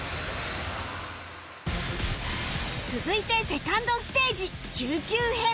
続いてセカンドステージ中級編